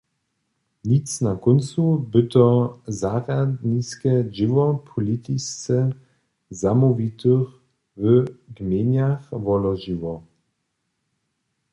Nic na kóncu by to zarjadniske dźěło politisce zamołwitych w gmejnach wolóžiło.